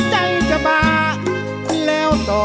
ใจจะขาดแล้วเอ้ย